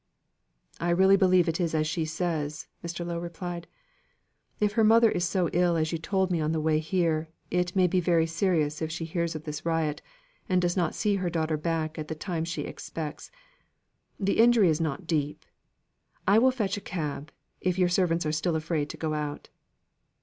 "I really believe it is as she says," Mr. Lowe replied. "If her mother is so ill as you told me on the way here, it may be very serious if she hears of this riot, and does not see her daughter back at the time she expects. The injury is not deep. I will fetch a cab, if your servants are still afraid to go out."